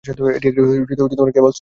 এটি একটি cable stayed সেতু।